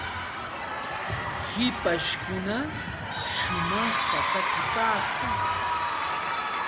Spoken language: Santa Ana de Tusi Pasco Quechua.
hipashkuna shumaqta takipaakun.